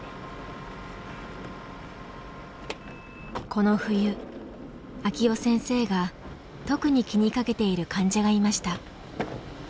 この冬晃生先生が特に気にかけている患者がいました。